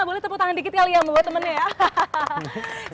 boleh tepuk tangan dikit kali ya buat temennya ya hahaha